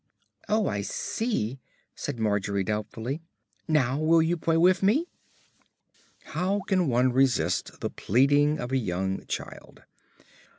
"Oh, I see," said Margery doubtfully. "Now will you play wiv me?" How can one resist the pleading of a young child?